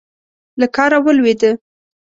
له کاره ولوېده.